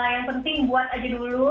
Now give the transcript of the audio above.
yang penting buat aja dulu